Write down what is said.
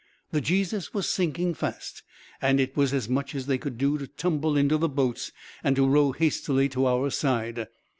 The Jesus was sinking fast, and it was as much as they could do to tumble into the boats, and to row hastily to our side.